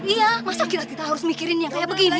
iya masa kita harus mikirin yang kayak begini